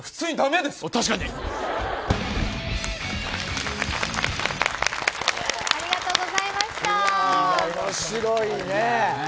面白いね。